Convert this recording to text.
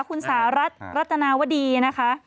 คุณสหรัฐรัตนาวดีนะคะ